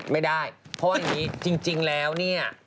ไม่ได้เพราะจริงแล้วเนี่ย